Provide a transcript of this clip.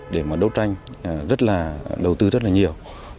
để đấu tranh đầu tư rất nhiều